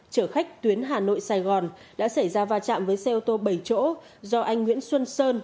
chở khách tuyến hà nội sài gòn đã xảy ra va chạm với xe ô tô bảy chỗ do anh nguyễn xuân sơn